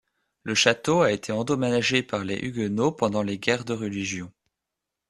Le château a été endommagé par les huguenots pendant les guerres de religion.